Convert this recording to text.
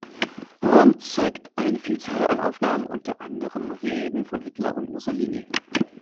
Romm zeigt eine Vielzahl an Aufnahmen, unter anderem Reden von Hitler und Mussolini.